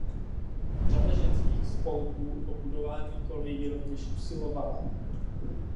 Řada ženských spolků o budování kolejí rovněž usilovala.